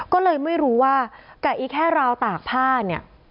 ก็เลยไม่รู้ว่ากับอีแค่ราวตากผ้าเนี่ย